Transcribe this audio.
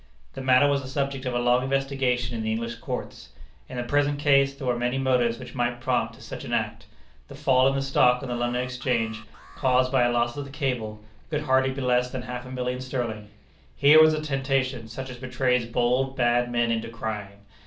The matter was the subject of a long investigation in the English courts. In the present case there were many motives which might prompt to such an act. The fall in the stock on the London Exchange, caused by a loss of the cable, could hardly be less than half a million sterling. Here was a temptation such as betrays bold, bad men into crime.